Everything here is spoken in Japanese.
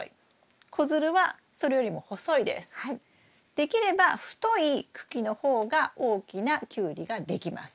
できれば太い茎の方が大きなキュウリができます。